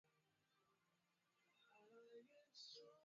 Waziri mkuu wa Canada Justin Trudeau